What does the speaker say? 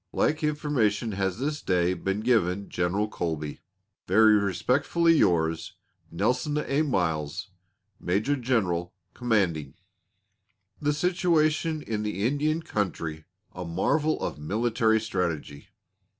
Like information has this day been given General Colby. Very respectfully yours, Nelson A. Miles Major General Commanding ] THE SITUATION IN THE INDIAN COUNTRY A MARVEL OF MILITARY STRATEGY.